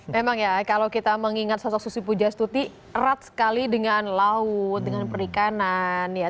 memang ya kalau kita mengingat sosok susu puja stuti erat sekali dengan laut dengan perikanan